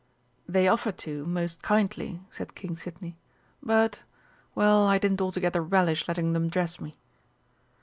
"They offered to most kindly," said King Sidney, "but well, I didn't altogether relish letting them dress me."